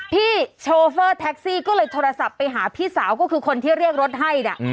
โชเฟอร์แท็กซี่ก็เลยโทรศัพท์ไปหาพี่สาวก็คือคนที่เรียกรถให้นะ